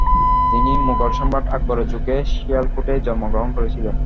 তিনি মোগল সম্রাট আকবরের যুগে শিয়ালকোটে জন্মগ্রহণ করেছিলেন।